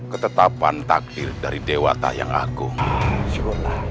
ketetapan takdir dari dewata yang agung